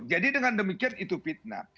jadi dengan demikian itu pitna